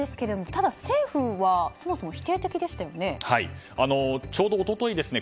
ただ政府は、そもそも否定的でしたよね。